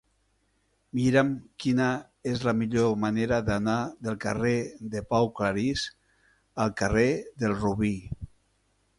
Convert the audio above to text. Mira'm quina és la millor manera d'anar del carrer de Pau Claris al carrer del Robí.